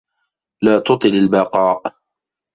لا تطل البقاء!